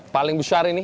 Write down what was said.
paling besar ini